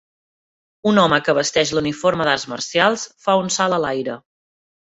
Un home que vesteix l'uniforme d'arts marcials fa un salt a l'aire.